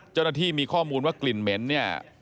เจ้าหน้าที่มีข้อมูลว่ากลิ่นเหม็นเนี่ย